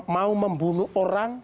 mau membunuh orang